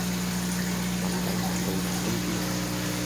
諗計諗到人都癲